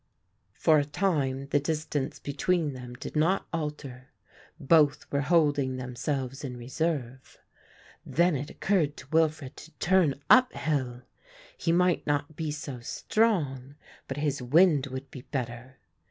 For a time the distance between them did not alter, both were holding themselves in reserve; then it occurred to Wilfred to turn up hill; he might not be so strong, but his wind would be better.